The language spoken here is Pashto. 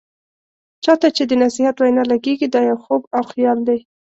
چا ته چې د نصيحت وینا لګیږي، دا يو خوب او خيال دی.